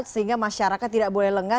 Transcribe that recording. sehingga masyarakat tidak boleh lengah